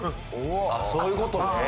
そういうことね